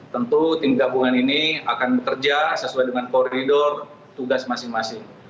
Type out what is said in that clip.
tentu tim gabungan ini akan bekerja sesuai dengan koridor tugas masing masing